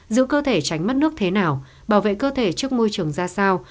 giữ cơ thể tránh mất nước thế nào bảo vệ cơ thể trước môi trường ra sao